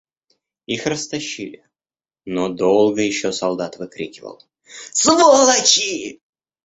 Их растащили, но долго еще солдат выкрикивал: — Сволочи!